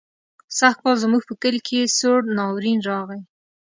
سږکال زموږ په کلي کې سوړ ناورين راغی.